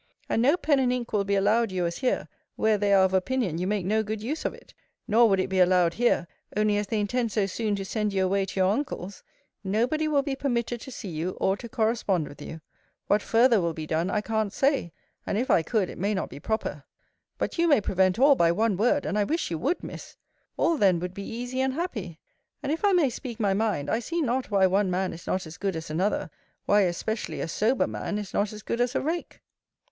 And no pen and ink will be allowed you as here; where they are of opinion you make no good use of it: nor would it be allowed here, only as they intend so soon to send you away to your uncle's. No body will be permitted to see you, or to correspond with you. What farther will be done, I can't say; and, if I could, it may not be proper. But you may prevent all, by one word: and I wish you would, Miss. All then would be easy and happy. And, if I may speak my mind, I see not why one man is not as good as another: why, especially, a sober man is not as good as a rake.